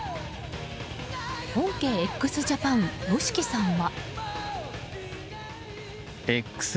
本家ＸＪＡＰＡＮＹＯＳＨＩＫＩさんは。